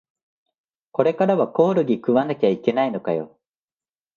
これからはコオロギ食わなきゃいけないのかよ